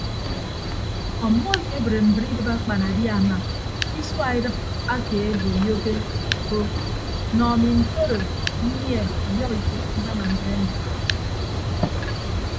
Ọmmọ ekebre mbre idịb akpanadiama ke isua edịp ake boyokeko nọ ami ntodo nnie ọyọhọ ifiọk mbaña mbre emi.